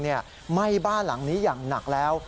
ไหม้บ้านหลังนี้อย่างหนักแล้ว